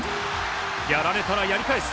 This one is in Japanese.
やられたらやり返す。